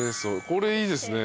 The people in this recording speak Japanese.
これいいですね。